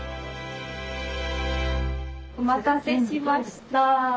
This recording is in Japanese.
お待たせしました。